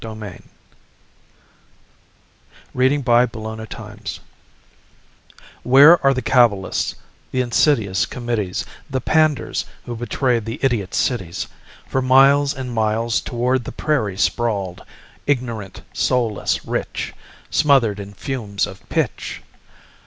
CITIES OF THE PLAIN Where are the cabalists, the insidious committees, The panders who betray the idiot cities For miles and miles toward the prairie sprawled, Ignorant, soul less, rich, Smothered in fumes of pitch?